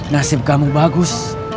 nasib kamu bagus